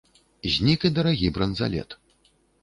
Знік і дарагі бранзалет.